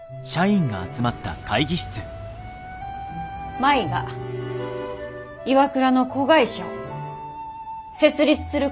舞がＩＷＡＫＵＲＡの子会社を設立することになりました。